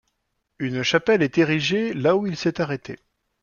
Une chapelle est érigée là où il s'est arrêté.